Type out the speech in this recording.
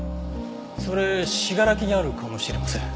それ信楽にあるかもしれません。